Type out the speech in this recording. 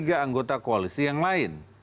tiga anggota koalisi yang lain